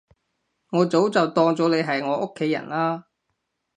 我早就當咗你係我屋企人喇